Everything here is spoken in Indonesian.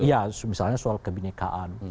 iya misalnya soal kebenekaan